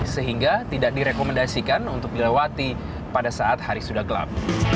sehingga tidak direkomendasikan untuk dilewati pada saat hari sudah gelap